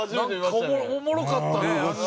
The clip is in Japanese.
なんかおもろかったな。